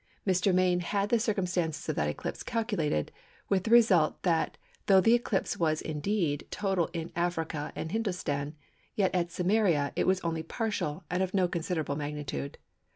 Mr. Main had the circumstances of that eclipse calculated, with the result that though the eclipse was indeed total in Africa and Hindostan, yet at Samaria it was only partial and of no considerable magnitude.